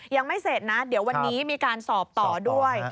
ยังไม่เสร็จนะเดี๋ยววันนี้มีการสอบต่อด้วย